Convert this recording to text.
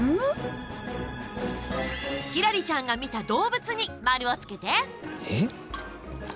輝星ちゃんが見た動物に丸をつけて。